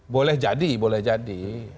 boleh jadi boleh jadi